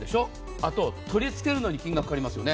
あと、取り付けるのに金額がかかりますよね。